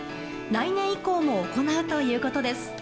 来年以降も行うということです。